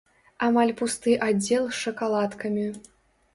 Амаль пусты аддзел з шакаладкамі.